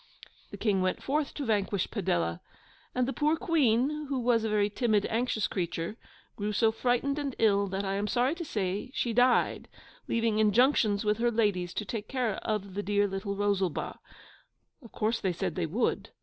The King went forth to vanquish Padella; and the poor Queen, who was a very timid, anxious creature, grew so frightened and ill that I am sorry to say she died; leaving injunctions with her ladies to take care of the dear little Rosalba. Of course they said they would.